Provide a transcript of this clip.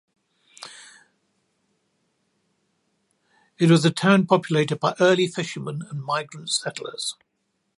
It was a town populated by early fishermen and migrant settlers.